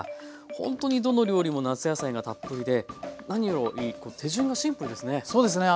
ほんとにどの料理も夏野菜がたっぷりで何より手順がシンプルですね。